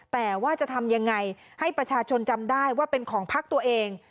แต่ว่าจะทำยังไงให้ประชาชนจำได้ว่าเป็นของพักตัวเอง